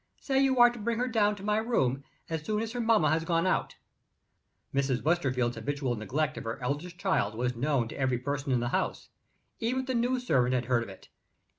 Say you are to bring her down to my room, as soon as her mamma has gone out." Mrs. Westerfield's habitual neglect of her eldest child was known to every person in the house. Even the new servant had heard of it.